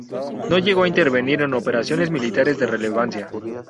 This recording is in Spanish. No llegó a intervenir en operaciones militares de relevancia.